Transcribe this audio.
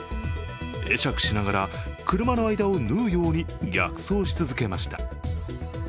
会釈しながら、車の間を縫うように逆走し続けました。